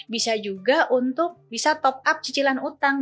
bisa juga untuk bisa top up cicilan utang